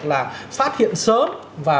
là phát hiện sớm và